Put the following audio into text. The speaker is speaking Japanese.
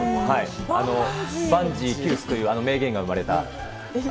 バンジー休すっていう名言が生まれた。